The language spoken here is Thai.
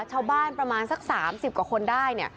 ชาวบ้านประมาณสัก๓๐กว่าคนได้